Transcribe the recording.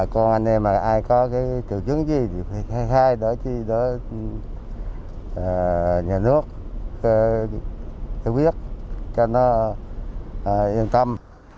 chữ chứng gì thì phải khai đổi cho nhà nước cho biết cho nó yên tâm